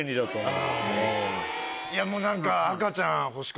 いやもう何か。